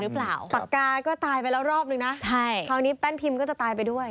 ปากกาก็ตายไปแล้วรอบนึงนะคราวนี้แป้นพิมพ์ก็จะตายไปด้วย